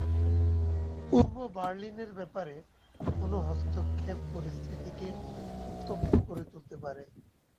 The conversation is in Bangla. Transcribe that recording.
পূর্ব বার্লিনের ব্যাপারে কোন হস্তক্ষেপ পরিস্থিতিকে উত্তপ্ত করে তুলতে পারে।